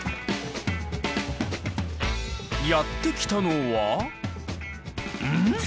やって来たのはん？